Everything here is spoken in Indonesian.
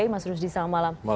mas rusdi selamat malam